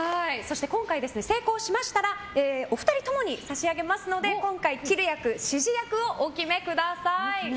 今回成功しましたらお二人ともに差し上げますので今回、切る役、指示役をお決めください。